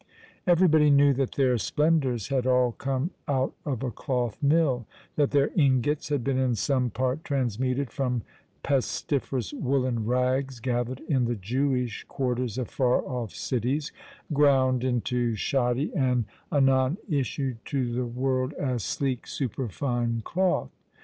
Everybody knew that their splendours had all come out of a cloth mill, that their ingots had been in some part transmuted from pestiferous woollen rags gathered in the Jewish quarters of far off cities, ground into shoddy, and anon issued to the world as sleek superfine cloth.